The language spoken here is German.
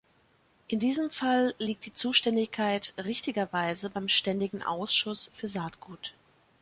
In diesem Fall liegt die Zuständigkeit richtigerweise beim Ständigen Ausschuss für Saatgut.